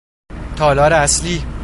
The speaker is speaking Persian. تالار اصلی